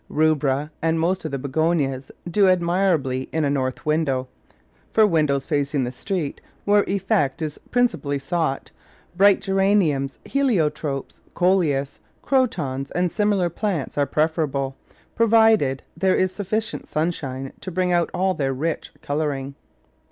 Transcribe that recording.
Rubra and most of the Begonias do admirably in a north window. For windows facing 88 Digitized by Google the street, where effect is principally sought, bright Geraniums, Heliotropes, Coleus, Crotons, and simliar plants are preferable, provided there is sufficient sun shine to bring out all their rich colouring.